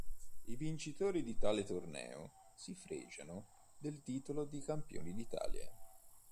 I vincitori di tale torneo si fregiano del titolo di campioni d'Italia.